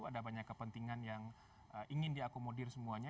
ada banyak kepentingan yang ingin diakomodir semuanya